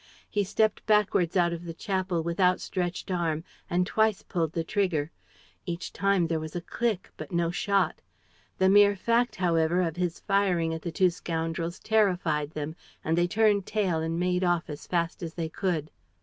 He stepped backwards out of the chapel, with outstretched arm, and twice pulled the trigger. Each time there was a click but no shot. The mere fact, however, of his firing at the two scoundrels terrified them, and they turned tail and made off as fast as they could.